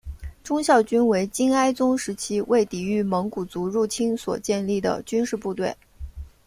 忠孝军为金哀宗时期为抵御蒙古族入侵所建立的军事部队。